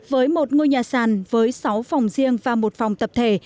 với một ngôi nhà sàn với sáu phòng riêng và một phòng tập thể